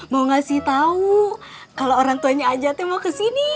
mau ngasih tau kalau orang tuanya ajat mau ke sini